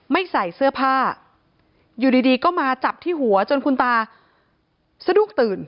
ไม่ใส่เสื้อผ้าอยู่ดีก็มาจับที่หัวจนคุณตาสะดุ้งตื่น